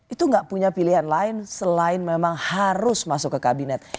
itu nggak punya pilihan lain selain memang harus masuk ke kabinet